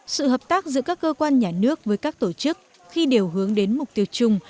sự hợp tác giữa các cơ quan nhà nước với các tổ chức khi đều hướng đến mục tiêu chung